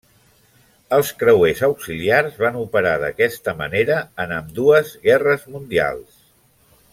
Els creuers auxiliars van operar d'aquesta manera en ambdues Guerres Mundials.